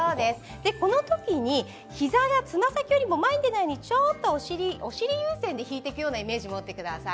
この時に膝がつま先よりも前に出ないようにお尻優先で引いていくイメージを持ってください。